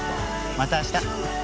また明日。